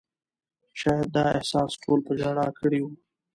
شاید دا احساس ټول په ژړا کړي وو.